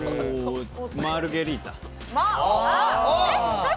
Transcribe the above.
マルゲリータ。